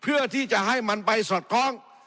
เพื่อที่จะให้มันไปสอดคล้อง